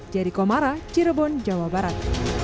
jadi komara cirebon jawa barat